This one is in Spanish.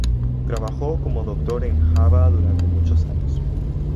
Trabajó como doctor en Java durante muchos años.